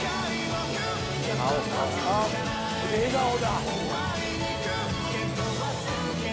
笑顔だ！